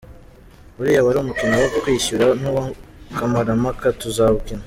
Uriya wari umukino wo kwishyura n’uwa kamarampaka tuzawukina.